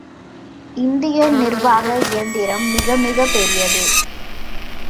இந்திய நிர்வாக இயந்திரம் மிகமிகப் பெரியது.